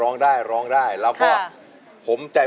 ทุกคนนี้ก็ส่งเสียงเชียร์ทางบ้านก็เชียร์